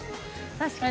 確かに。